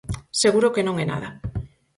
Seguro que non é nada.